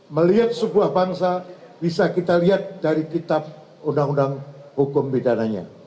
melihat sebuah bangsa bisa kita lihat dari kitab undang undang hukum pidananya